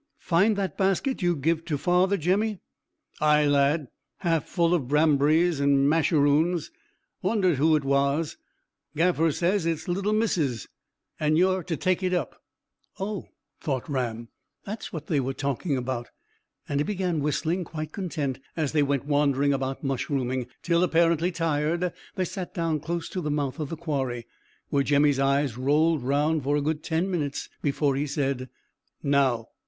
"Find that basket you give to father, Jemmy?" "Ay, lad, half full o' brambrys and masheroons. Wondered whose it was. Gaffer says it's little missus's, and you're to take it up." "Oh," thought Ram, "that's what they were talking about;" and he began whistling, quite content, as they went wandering about mushrooming, till, apparently tired, they sat down close to the mouth of the quarry, where Jemmy's eyes rolled round for a good ten minutes before he said, "Now."